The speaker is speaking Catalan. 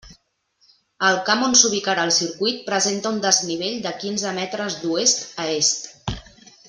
El camp on s'ubicarà el circuit presenta un desnivell de quinze metres d'oest a est.